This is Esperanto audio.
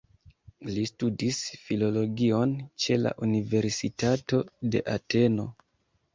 Li studis filologion ĉe la Universitato de Ateno.